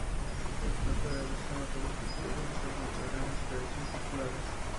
Se trata de una zona turística gracias a la naturaleza y las tradiciones populares.